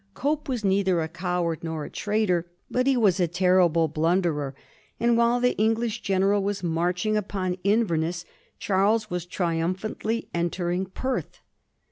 Cope was neither a coward nor a traitor, but he was a ter rible blunderer, and while the English general was march ing upon Inverness Charles was triumphantly entering Perth.